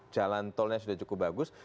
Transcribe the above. jalan tolnya sudah cukup bagus